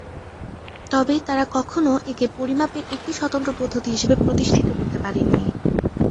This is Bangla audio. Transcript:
তবে তাঁরা কখনও একে পরিমাপের একটি স্বতন্ত্র পদ্ধতি হিসেবে প্রতিষ্ঠিত করতে পারেননি।